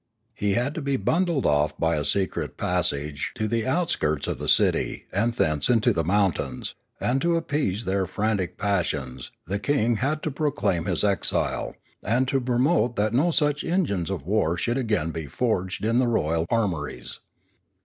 He had to be bundled off by a secret passage to the out skirts of the city and thence into the mountains, and to appease their frantic passions the king had to proclaim 500 Limanora his exile, and to promise that no such engines of war should again be forged in the royal armories.